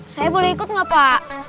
saya boleh ikut nggak pak